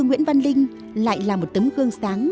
nguyễn văn linh lại là một tấm gương sáng